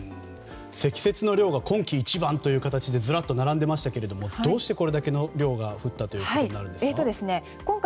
積雪の量が今季一番という形でずらっと並んでいましたがどうしてこれだけの量が降ったんですか？